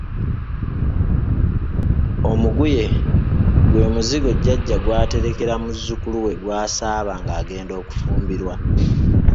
Omuguye gwe muzigo jjajja gw’aterekera muzzukulu we gw’asaaba ng’agenda okufumbirwa.